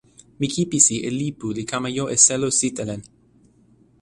mi kipisi e lipu li kama jo e selo sitelen.